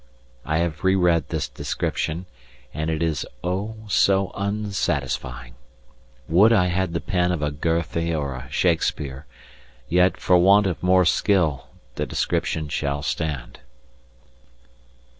I have re read this description, and it is oh, so unsatisfying; would I had the pen of a Goethe or a Shakespeare, yet for want of more skill the description shall stand.